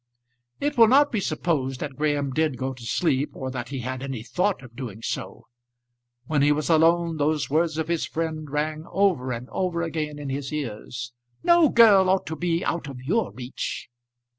It will not be supposed that Graham did go to sleep, or that he had any thought of doing so. When he was alone those words of his friend rang over and over again in his ears, "No girl ought to be out of your reach."